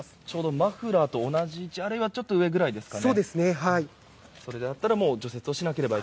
マフラーと同じ位置あるいはちょっと上くらいですかね。